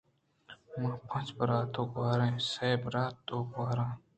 ما پنچ برات ءُ گْوھار ایں. سَے برات ءُ دو گْوھار ایں.